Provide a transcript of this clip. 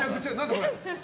これ。